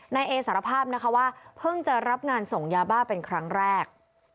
นายเอสารภาพนะคะว่าเพิ่งจะรับงานส่งยาบ้าเป็นครั้งแรก